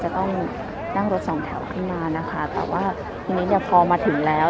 จะต้องนั่งรถสองแถวขึ้นมานะคะแต่ว่าทีนี้เนี่ยพอมาถึงแล้ว